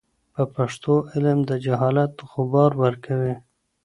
په پښتو علم د جهالت غبار ورکوي.